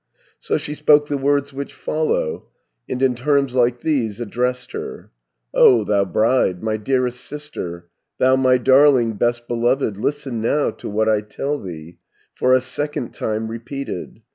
So she spoke the words which follow, And in terms like these addressed her: "O thou bride, my dearest sister, Thou my darling, best beloved, Listen now to what I tell thee, For a second time repeated.